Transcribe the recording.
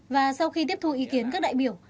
và sau khi tiếp thu ý kiến các đại biểu